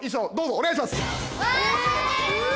お願いします。わ！